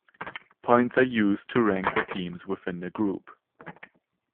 Points are used to rank the teams within a group.